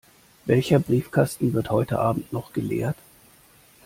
Welcher Briefkasten wird heute Abend noch geleert?